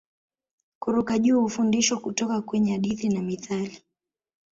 Kuruka juu hufundishwa kutoka kwenye hadithi na mithali